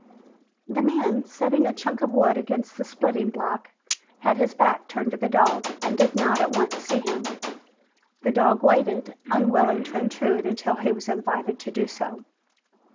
The man, setting a chunk of wood against the splitting block, had his back turned to the dog and did not at once see him. The dog waited, unwilling to intrude until he was invited to do so.